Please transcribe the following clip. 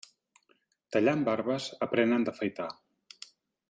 Tallant barbes, aprenen d'afaitar.